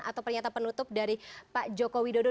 atau pernyataan penutup dari pak joko widodo